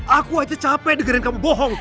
aku aja capek dengerin kamu bohong